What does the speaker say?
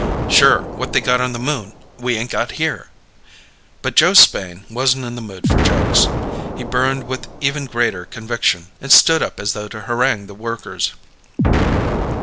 "Sure, what they got on the Moon we ain't got here?" But Joe Spain wasn't in the mood for jokes. He burned with even greater conviction and stood up as though to harangue the workers.